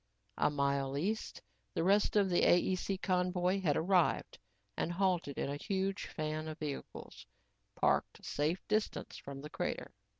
A mile east, the rest of the AEC convoy had arrived and halted in a huge fan of vehicles, parked a safe distance from the crater.